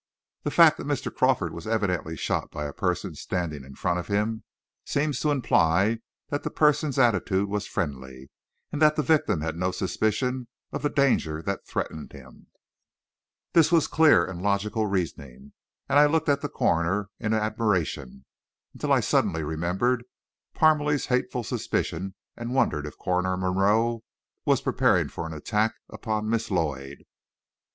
The fact that Mr. Crawford was evidently shot by a person standing in front of him, seems to imply that that person's attitude was friendly, and that the victim had no suspicion of the danger that threatened him." This was clear and logical reasoning, and I looked at the coroner in admiration, until I suddenly remembered Parmalee's hateful suspicion and wondered if Coroner Monroe was preparing for an attack upon Miss Lloyd.